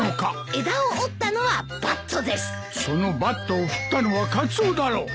そのバットを振ったのはカツオだろう！